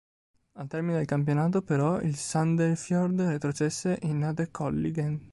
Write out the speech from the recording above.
Al termine del campionato, però, il Sandefjord retrocesse in Adeccoligaen.